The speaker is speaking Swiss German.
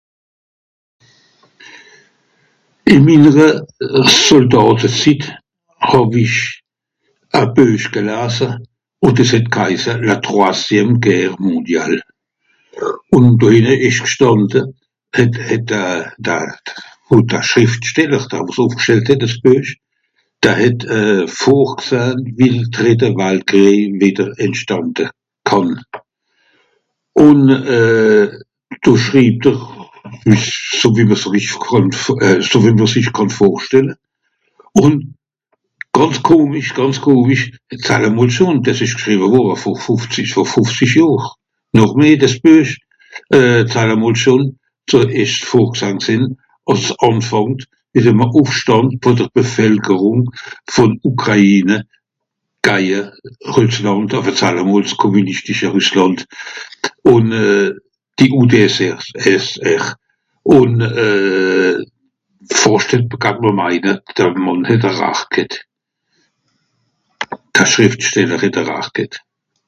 ìn minnere Sodàtezitt hàw-ich e Buech gelase. Ùn dìs het gheise la troisième guerre mondiale. Ùn do ìnne ìsch gstànde, het d... da... da... da Schrìftsteller, da (...) het dìs Buech. Da het euh vorgsahn, wie e drìtte Waltkrìej wìdder entstànde kànn. Ùn euh... do schribbt'r, wie's... sowie mr si wie kànn vor... sowie wie mr sich kànn vorstelle. Ùn gànz komisch, gànz komisch het sallamolls schon dìs ìsch gschriwe worre vor fùfzisch... vor fùfzisch Johr, noch meh dìs Buech. Euh Zalamols schon, ze ìsch vorsahn gsìnn, àss es ànfàngt mìt eme Ùffstànd vùn de Bevelkerùng vùn Ukraine gaje Rüsslànd, enfin zallamolls kommünischtische Rüsslànd, ùn die UDSR. Ùn euh... vorstell kànn meine, der Mànn het eracht ghet. Da Schrìftsteller het eracht ghet.